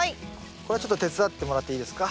これちょっと手伝ってもらっていいですか。